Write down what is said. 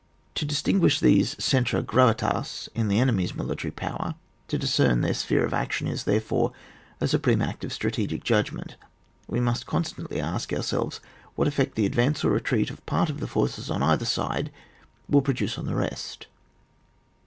To distinguish these *' centra yra/vitatie" in the enemy's military power, to dis cern their spheres of action is, therefore, a supreme act of strategic judgment. We must constantly ask ourselves, what effect the advance or retreat of part of the forces on either side will produce on the rest.